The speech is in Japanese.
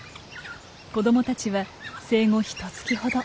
子供たちは生後ひとつきほど。